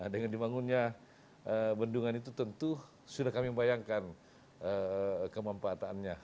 dengan dimangunnya bendungan itu tentu sudah kami bayangkan kemampuataannya